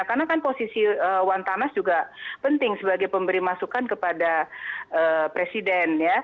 karena kan posisi luan tamas juga penting sebagai pemberi masukan kepada presiden